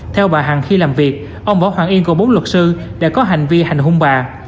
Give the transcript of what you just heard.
theo bà hằng khi làm việc ông võ hoàng yên cùng bốn luật sư đã có hành vi hành hung bà